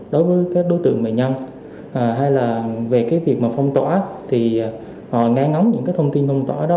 đối với các đối tượng bệnh nhân hay là về việc phong tỏa thì họ ngay ngóng những thông tin phong tỏa đó